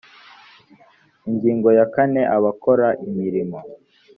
ingingo ya kane abakora imirimo